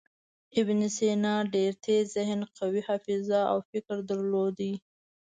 ابن سینا ډېر تېز ذهن، قوي حافظه او فکر درلود.